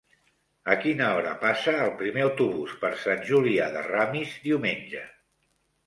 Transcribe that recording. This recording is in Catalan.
A quina hora passa el primer autobús per Sant Julià de Ramis diumenge?